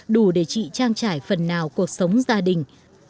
đủ để chị trang trải phần nào cuộc sống gia đình